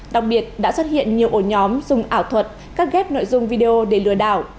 đặc biệt đã xuất hiện nhiều ổ nhóm dùng ảo thuật cắt ghép nội dung video để lừa đảo